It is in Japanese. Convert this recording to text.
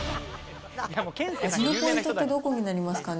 味のポイントってどこになりますかね。